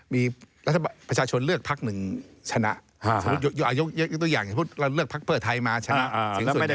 มีประชาชนเลือกพักหนึ่งชนะยกตัวอย่างสมมุติเราเลือกพักเพิ่อไทยมาชนะ